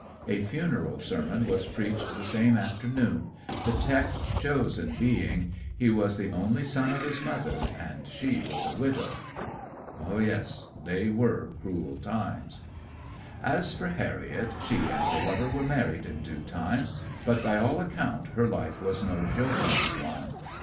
A funeral sermon was preached the same afternoon, the text chosen being, "He was the only son of his mother, and she was a widow." ... Yes, they were cruel times! 'As for Harriet, she and her lover were married in due time; but by all account her life was no jocund one.